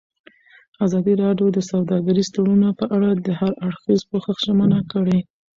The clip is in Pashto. ازادي راډیو د سوداګریز تړونونه په اړه د هر اړخیز پوښښ ژمنه کړې.